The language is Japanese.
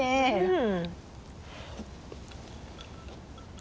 うん。